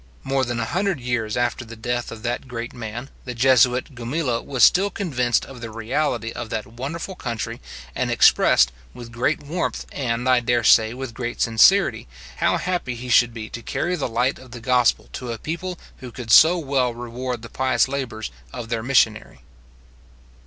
More than a hundred years after the death of that great man, the Jesuit Gumila was still convinced of the reality of that wonderful country, and expressed, with great warmth, and, I dare say, with great sincerity, how happy he should be to carry the light of the gospel to a people who could so well reward the pious labours of their missionary.